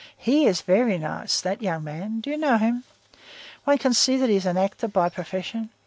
He is very nice, that young man; do you know him? One can see that he is an actor by profession.